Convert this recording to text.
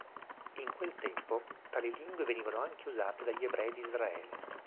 In quel tempo, tali lingue venivano anche usate dagli ebrei di Israele.